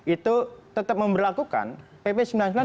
itu tetap memberlakukan pp sembilan puluh sembilan dua ribu dua belas